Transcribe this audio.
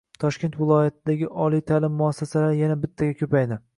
Toshkent viloyatidagi oliy ta’lim muassasalari yana bittaga ko‘payding